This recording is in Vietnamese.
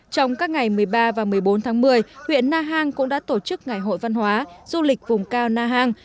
trong các ngày một mươi ba và một mươi bốn tháng một mươi huyện na hàng cũng đã tổ chức ngày hội văn hóa du lịch vùng cao na hàng